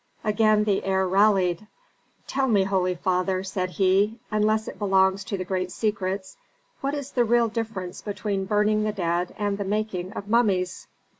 Again the heir rallied, "Tell me, holy father," said he, "unless it belongs to the great secrets, what is the real difference between burning the dead and the making of mummies?